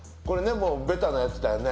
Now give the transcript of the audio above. もうベタなやつだよね